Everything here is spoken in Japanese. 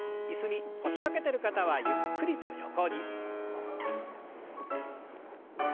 椅子に腰掛けてる方はゆっくりと横に。